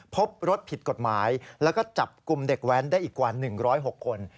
พบรถผิดกฎหมายแล้วก็จับกลุ่มเด็กแว้นได้อีกกว่า๑๐๖คน